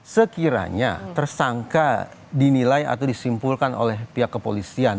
sekiranya tersangka dinilai atau disimpulkan oleh pihak kepolisian